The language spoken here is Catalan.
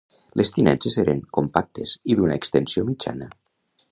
Les tinences eren compactes i d’una extensió mitjana.